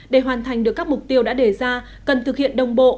để hoàn thành được các mục tiêu đã đề ra cần thực hiện đồng bộ